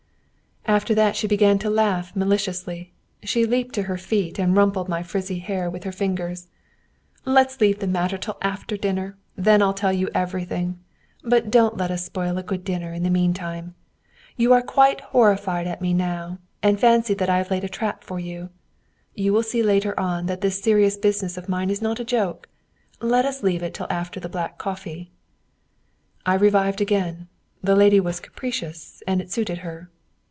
After that she began to laugh maliciously. She leaped to her feet and rumpled my frizzly hair with her fingers. "Let's leave the matter till after dinner; then I'll tell you everything. But don't let us spoil a good dinner in the meantime. You are quite horrified at me now, and fancy that I've laid a trap for you. You will see later on that this serious business of mine is not a joke. Let us leave it till after the black coffee." I revived again. The lady was capricious, and it suited her.